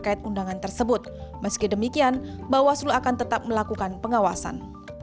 terkait undangan tersebut meski demikian bawaslu akan tetap melakukan pengawasan